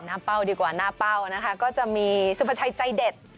เป้าดีกว่าหน้าเป้านะคะก็จะมีสุภาชัยใจเด็ด